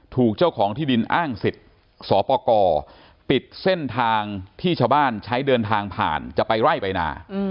ถูกเจ้าของที่ดินอ้างสิทธิ์สปกรปิดเส้นทางที่ชาวบ้านใช้เดินทางผ่านจะไปไล่ไปนา